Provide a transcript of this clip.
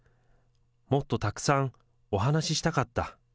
もっとたくさんお話ししたかった。